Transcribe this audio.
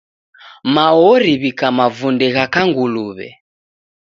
Mao oriw'ika mavunde gha kanguluw'e.